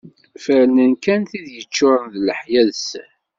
Ferrnen kan tid yeččuren d leḥya d sser.